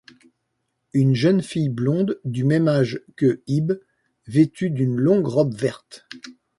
Une jeune fille blonde du même âge que Ib, vêtue d'une longue robe verte.